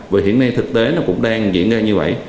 và hiện nay thực tế nó cũng đang diễn ra như vậy